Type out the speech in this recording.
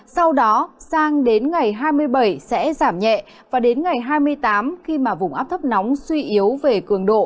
sau đó sang đến ngày hai mươi bảy sẽ giảm nhẹ và đến ngày hai mươi tám khi mà vùng áp thấp nóng suy yếu về cường độ